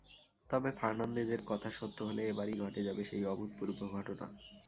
তবে ফার্নান্দেজের কথা সত্য হলে এবারই ঘটে যাবে সেই অভূতপূর্ব ঘটনা।